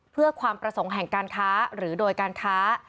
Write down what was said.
เพื่อความประสงค์แห่งการค้าหรือโดยการค้า